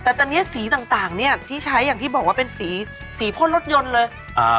แต่ตอนนี้สีต่างเนี่ยที่ใช้อย่างที่บอกว่าเป็นสีสีพ่นรถยนต์เลย